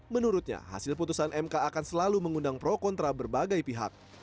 menurutnya hasil putusan mk akan selalu mengundang pro kontra berbagai pihak